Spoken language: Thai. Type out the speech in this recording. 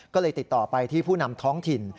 ก็เลยติดต่อไปที่ผู้นำท้องถิ่น